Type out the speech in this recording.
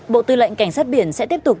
bộ tư lệnh cảnh sát biển sẽ tiếp tục